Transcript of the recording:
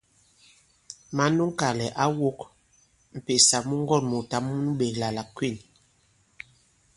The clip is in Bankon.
Mǎn nu ŋ̀kànlɛ̀ ǎ wōk m̀pèsà mu ŋgɔ̂n-mùùtǎŋ nu ɓēkla la Kwîn.